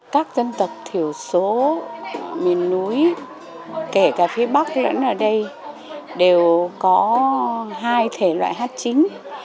các dân tộc thiểu số miền núi kể cả phía bắc lẫn ở đây đều có hai thể loại hát chính